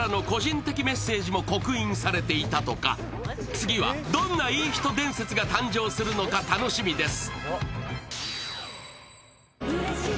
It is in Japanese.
次は、どんないい人伝説が誕生するのか楽しみです。